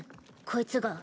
こいつが？